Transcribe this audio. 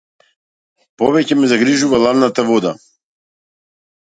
Повеќе ме загрижува ладната вода.